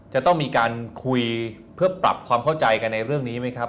จะต้องมีการคุยเพื่อปรับความเข้าใจกันในเรื่องนี้ไหมครับ